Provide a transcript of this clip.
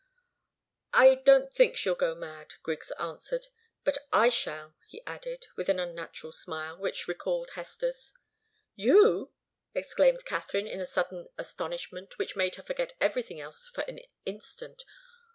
"I don't think she'll go mad," Griggs answered. "But I shall," he added, with an unnatural smile, which recalled Hester's. "You!" exclaimed Katharine, in a sudden astonishment which made her forget everything else for an instant.